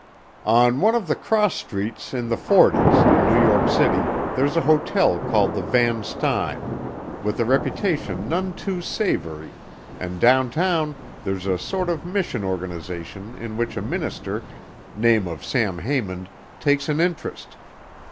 "On one of the cross streets in the forties in New York City there's a hotel called the Van Styne with a reputation none too savory and downtown there's a sort of mission organization in which a minister, name of Sam Haymond, takes an interest.